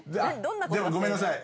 でもごめんなさい。